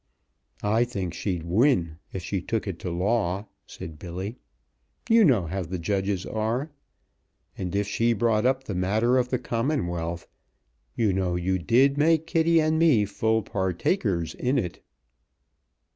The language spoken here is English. "I think she'd win, if she took it to law," said Billy. "You know how the judges are. And if she brought up the matter of the Commonwealth, you know you did make Kitty and me full partakers in it."